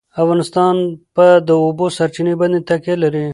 افغانستان په د اوبو سرچینې باندې تکیه لري.